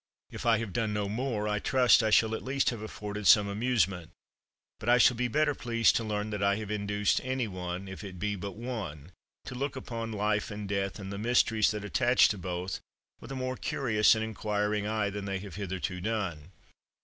If I have done no more, I trust I shall at least have afforded some amusement; but I shall be better pleased to learn that I have induced any one, if it be but one, to look upon life and death, and the mysteries that attach to both, with a more curious and inquiring eye than they have hitherto done.